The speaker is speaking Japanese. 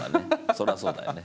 そりゃそうだよね。